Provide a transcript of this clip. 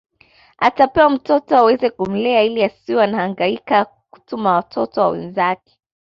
Atapewa mtoto aweze kumlea ili asiwe anahangaika kutuma watoto wa wenzake